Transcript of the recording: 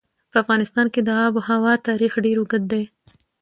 په افغانستان کې د آب وهوا تاریخ ډېر اوږد دی.